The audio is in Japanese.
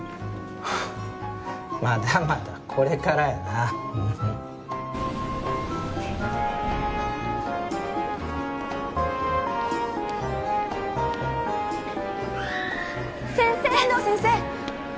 まだまだこれからやな先生天堂先生！